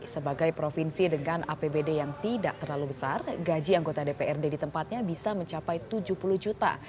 sebagai provinsi dengan apbd yang tidak terlalu besar gaji anggota dprd di tempatnya bisa mencapai tujuh puluh juta